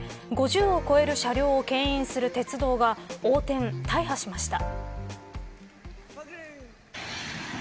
５０を超える車両をけん引する鉄道が横転、大破しました。